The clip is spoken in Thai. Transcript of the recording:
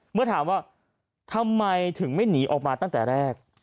เมื่อถามว่าทำไมถึงไม่หนีออกมาตั้งแต่แรก